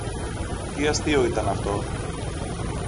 Τι αστείο ήταν αυτό